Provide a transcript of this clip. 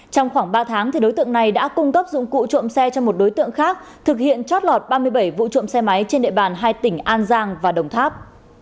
trong khoảng ba tháng đối tượng này đã cung cấp dụng cụ trộm xe cho một đối tượng khác thực hiện trót lọt ba mươi bảy vụ trộm xe máy trên địa bàn hai tỉnh an giang và đồng tháp